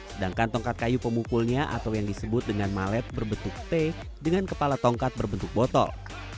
sedangkan tongkat kayu pemukulnya atau yang disebut dengan malet berbentuk t dengan kepala tongkat berbentuk botol